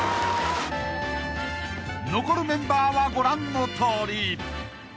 ［残るメンバーはご覧のとおり］